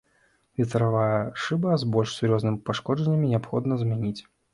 Ветравая шыба з больш сур'ёзнымі пашкоджаннямі неабходна замяніць.